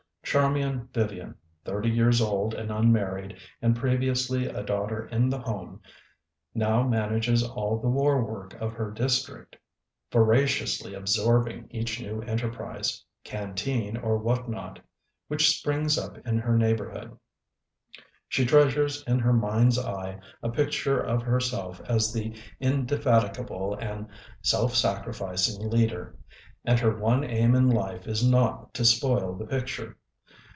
Charmian Vivian, thirty years old and unmarried and previously a daughter in the home, now manages all the war work of her district, voraciously absorbing each new enterprise ŌĆö canteen or what not ŌĆö which springs up in her neighborhood. She treasures in her mind's eye a picture of herself as the indefatigable and self sac rificing leader, and her one aim in life is not to spoil the picture.